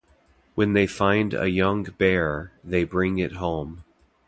When they find a young bear, they bring it home.